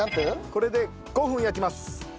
これで５分焼きます。